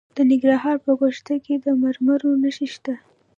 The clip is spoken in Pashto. د ننګرهار په ګوشته کې د مرمرو نښې شته.